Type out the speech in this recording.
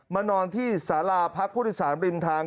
มานอนที่สาราพระพุทธศาสตร์บริมทาง